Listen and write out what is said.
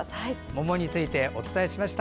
桃についてお伝えしました。